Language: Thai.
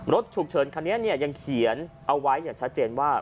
รถฉุกเฉินคันนี้ยังเขียนเอาไว้อย่างชัดเจนว่า